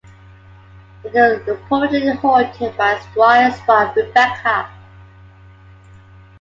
It is purportedly haunted by Squire's wife, Rebecca.